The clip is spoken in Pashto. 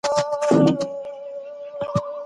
لویه جرګه کي د ملي سرود ږغول ولي حتمي دي؟